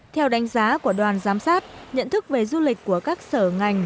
theo đánh giá của đoàn giám sát nhận thức về du lịch của các sở ngành